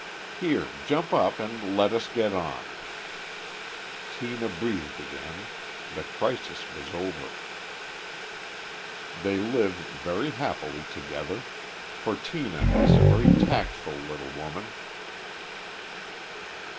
Here, jump up and let us get on." Tina breathed again. That crisis was over. They live very happily together, for Tina is a very tactful little woman.